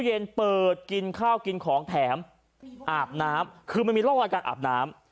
เย็นเปิดกินข้าวกินของแถมอาบน้ำคือมันมีร่องรอยการอาบน้ำ